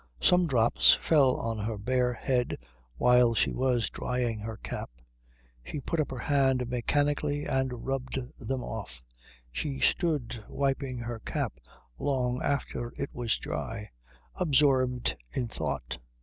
Some drops fell on her bare head while she was drying her cap. She put up her hand mechanically and rubbed them off. She stood wiping her cap long after it was dry, absorbed in thought.